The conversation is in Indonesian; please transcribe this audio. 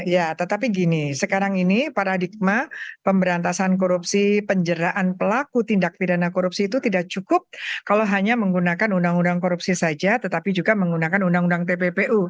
ya tetapi gini sekarang ini paradigma pemberantasan korupsi penjeraan pelaku tindak pidana korupsi itu tidak cukup kalau hanya menggunakan undang undang korupsi saja tetapi juga menggunakan undang undang tppu